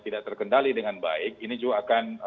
tidak terkendali dengan baik ini juga akan